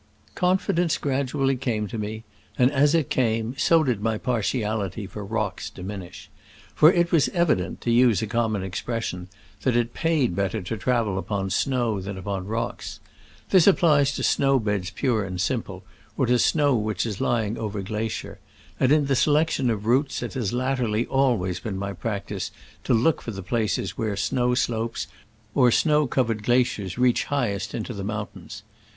Confidence gradu ally came to me, and as it came so did my partiality for rocks diminish. For it was evident, to use a common expres sion, that it paid better to travel upon snow than upon rocks. This applies to snow beds pure and simple, or to snow which is lying over glacier ; and in the selection of routes it has latterly always been my practice to look for the places where snow slopes or snow covered gla ciers reach highest into mountains.